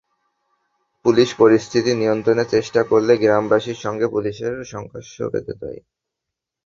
Police পরিস্থিতি নিয়ন্ত্রণের চেষ্টা করলে গ্রামবাসীর সঙ্গে পুলিশের সংঘর্ষ বেধে যায়।